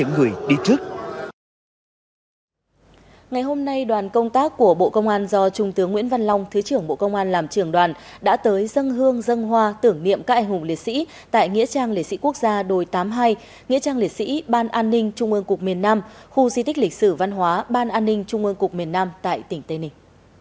ngày hôm nay đoàn công tác của bộ công an do trung tướng nguyễn văn long thứ trưởng bộ công an làm trưởng đoàn đã tới dân hương dân hoa tưởng niệm các anh hùng liệt sĩ tại nghĩa trang liệt sĩ quốc gia đồi tám mươi hai nghĩa trang liệt sĩ ban an ninh trung ương cục miền nam khu di tích lịch sử văn hóa ban an ninh trung ương cục miền nam tại tỉnh tây ninh